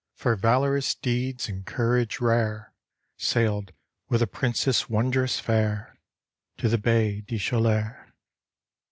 For valorous deeds and courage rare. Sailed with a princess wondrous fair To the Baie des Chalcurs.